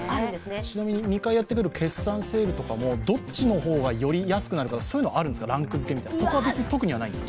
ちなみに２回やってくる決算セールとかもどっちの方がより安くなるかというのはあるんですか、ランクづけみたいな、そこは特にないんですか？